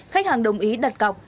khách hàng đồng ý đặt cọc